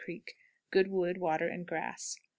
Creek. Good wood, water, and grass.